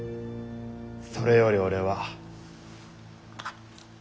それより俺は。